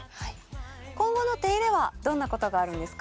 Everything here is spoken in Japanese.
今後の手入れはどんなことがあるんですか？